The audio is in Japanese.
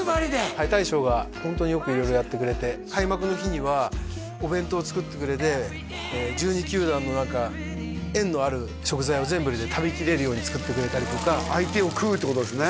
はい大将がホントによく色々やってくれて開幕の日にはお弁当作ってくれて１２球団の何か縁のある食材を全部入れて食べきれるように作ってくれたりとか相手を食うってことですね？